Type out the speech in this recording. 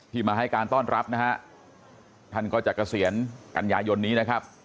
มาให้การต้อนรับนะฮะท่านก็จะเกษียณกันยายนนี้นะครับ